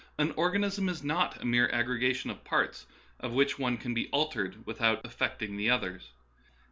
An organism is not a mere aggre gation of parts, of which one can be altered with out affecting the others.